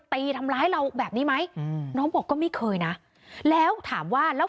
ตีทำร้ายเราแบบนี้ไหมอืมน้องบอกก็ไม่เคยนะแล้วถามว่าแล้ว